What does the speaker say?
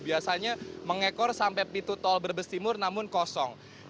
biasanya mengekor sampai pintu tol brebes timur namun kosong